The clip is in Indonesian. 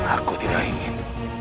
aku tidak ingin